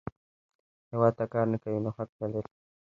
هیواد ته کار نه کوې، نو حق نه لرې